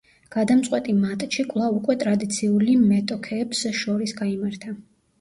გადამწყვეტი მატჩი კვლავ უკვე ტრადიციული მეტოქეებს შორის გაიმართა.